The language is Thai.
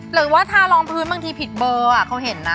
หรือว่าทารองพื้นบางทีผิดเบอร์เขาเห็นนะ